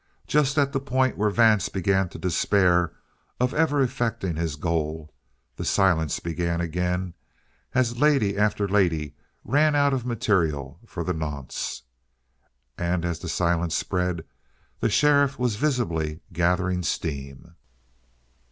Just at the point where Vance began to despair of ever effecting his goal, the silence began again as lady after lady ran out of material for the nonce. And as the silence spread, the sheriff was visibly gathering steam.